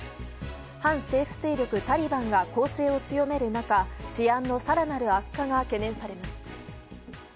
反政府勢力タリバンが攻勢を強める中治安の更なる悪化が懸念されます。